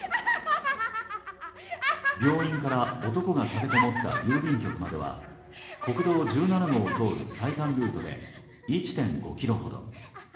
病院から男が立てこもった郵便局までは国道１７号を通る最短ルートで１．５ｋｍほど。